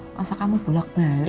nggak usah kamu bulat balik